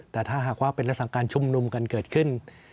แต่ถ้าหากว่าเป็นลักษณะการชุมนุมกันเกิดขึ้น